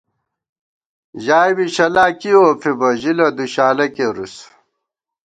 ژائے بی شَلا کی اوفِبہ ، ژِلہ دُوشالہ کېرُوس